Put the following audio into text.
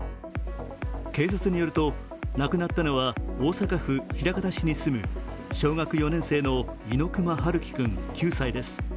警察によると、亡くなったのは、大阪府枚方市に住む小学４年生の猪熊遥希君９歳です。